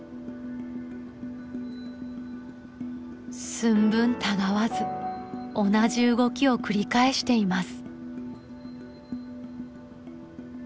寸分たがわず同じ動きを繰り返しています。